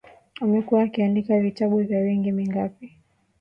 Amekuwa akiandika vitabu kwa miaka mingapi